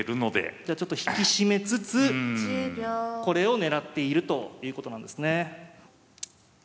じゃあちょっと引き締めつつこれを狙っているということなんですね。